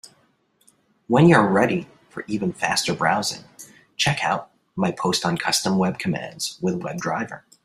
When you are ready for even faster browsing, check out my post on Custom web commands with WebDriver.